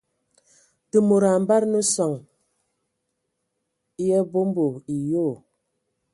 Te mod a ambada nə soŋ e abombo e yoo.